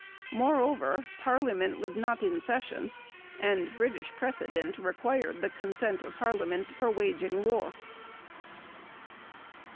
Moreover, parliament was not in session, and British precedent required the consent of parliament for waging war.